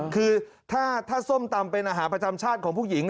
คือถ้าส้มตำเป็นอาหารประจำชาติของผู้หญิง